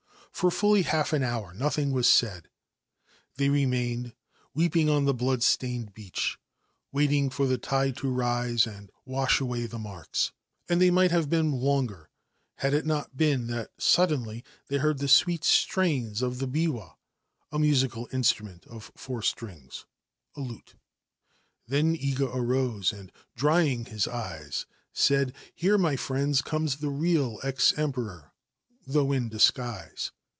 For fully half an hour nothing was said. They remained eping on the blood stained beach, waiting for the tide rise and wash away the marks ; and they might have been iger had it not been that suddenly they heard the sweet ains of the biwa (a musical instrument of four strings, ute) Then Iga arose and, drying his eyes, said, * Here, r friends, comes the real ex Emperor, though in disguise.